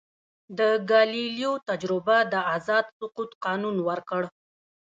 د ګالیلیو تجربه د آزاد سقوط قانون ورکړ.